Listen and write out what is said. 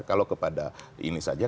kalau kepada ini saja